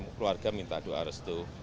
keluarga minta doa restu